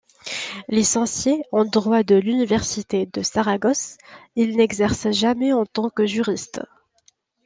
Licencié en droit de l'université de Saragosse, il n'exerce jamais en tant que juriste.